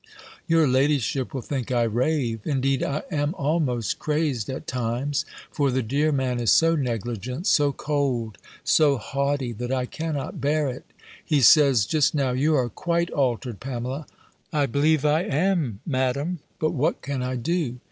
Your ladyship will think I rave. Indeed I am almost crazed at times. For the dear man is so negligent, so cold, so haughty, that I cannot bear it. He says, just now, "You are quite altered, Pamela." I believe I am. Madam. But what can I do?